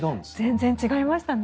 全然違いましたね。